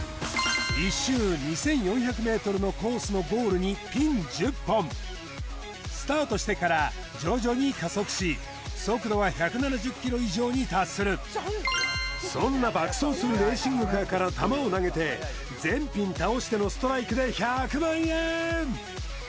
１周２４００ｍのコースのゴールにピン１０本スタートしてから徐々に加速し速度は１７０ｋｍ以上に達するそんな爆走するレーシングカーから球を投げて全ピン倒してのストライクで１００万円！